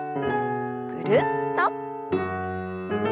ぐるっと。